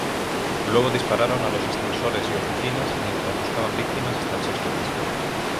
Luego dispararon a los ascensores y oficinas mientras buscaban víctimas hasta el sexto piso.